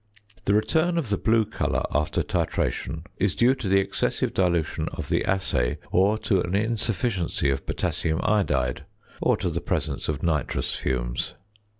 The return of the blue colour after titration is due to the excessive dilution of the assay, or to an insufficiency of potassium iodide, or to the presence of nitrous fumes.